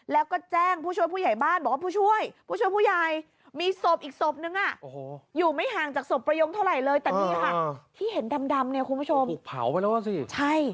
แล้วก็แจ้งผู้ช่วยผู้ใหญ่บ้านบอกว่า